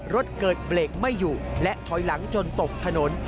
รถเกิดเบรกไม่อยู่และถอยหลังจนตกถนน